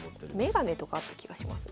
眼鏡とかあった気がします。